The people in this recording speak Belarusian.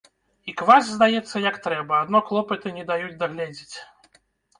І квас, здаецца, як трэба, адно клопаты не даюць дагледзець.